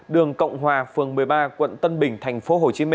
đường cộng hòa phường một mươi ba quận tân bình tp hcm